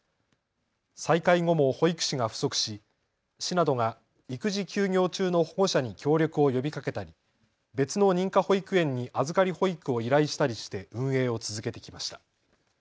再開後も保育士が不足し市などが育児休業中の保護者に協力を呼びかけたり別の認可保育園に預かり保育を依頼したりして運営を続けてきました。